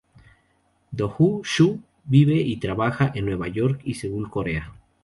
Do Ho Suh vive y trabaja en Nueva York y Seúl, Corea.